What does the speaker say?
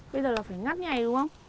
bây giờ là phải ngắt như này đúng không